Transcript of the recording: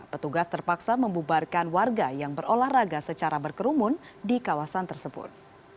petugas terpaksa membubarkan warga yang berolahraga secara berkerumun di kawasan tersebut